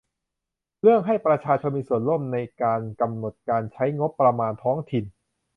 เรื่องให้ประชาชนมีส่วนร่วมในการกำหนดการใช้งบประมาณท้องถิ่น